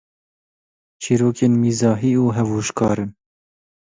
Çîrokên mîzahî û hevojkar in.